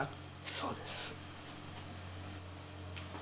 そうです。